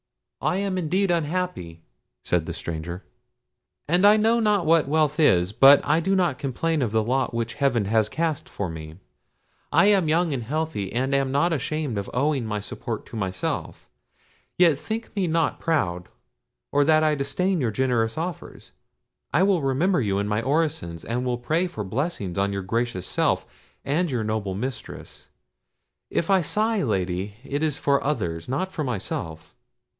"I am indeed unhappy," said the stranger; "and I know not what wealth is. But I do not complain of the lot which Heaven has cast for me; I am young and healthy, and am not ashamed of owing my support to myself—yet think me not proud, or that I disdain your generous offers. I will remember you in my orisons, and will pray for blessings on your gracious self and your noble mistress—if I sigh, Lady, it is for others, not for myself."